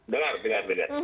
dengar dengar dengar